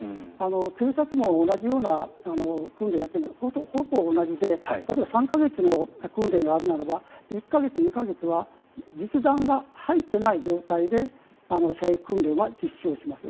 警察も同じような訓練をやっているのでほぼ同じで例えば３か月の訓練があるならば１か月、２か月は実弾が入ってない状態で射撃訓練は実施をします。